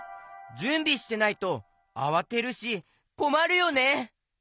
じゅんびしてないとあわてるしこまるよね！